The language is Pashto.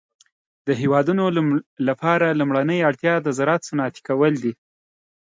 د هيوادونو لپاره لومړنۍ اړتيا د زراعت صنعتي کول دي.